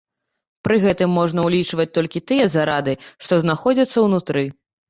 Пры гэтым можна ўлічваць толькі тыя зарады, што знаходзяцца ўнутры.